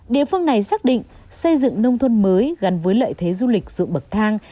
địa phương này xác định xây dựng nông thôn mới gắn với lợi thế du lịch dụng bậc thang